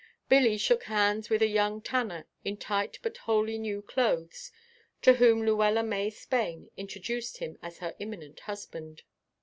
Billy shook hands with a young tanner in tight but wholly new clothes, to whom Luella May Spain introduced him as her imminent husband.